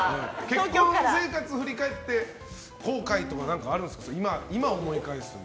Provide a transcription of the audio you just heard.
結婚生活を振り返って後悔とかあるんですか？